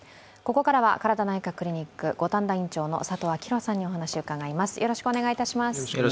ここからはＫＡＲＡＤＡ内科クリニック五反田院長の佐藤昭裕さんにお話を伺います。